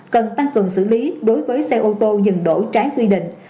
cần tăng cường xử lý đối với xe ô tô dừng đổ trái quy định